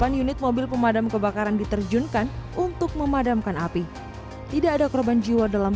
hai delapan unit mobil pemadam kebakaran diterjunkan untuk memadamkan api tidak ada korban jiwa dalam